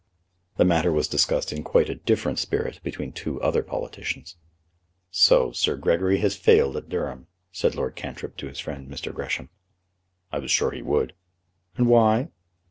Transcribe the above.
The matter was discussed in quite a different spirit between two other politicians. "So Sir Gregory has failed at Durham," said Lord Cantrip to his friend, Mr. Gresham. "I was sure he would." "And why?"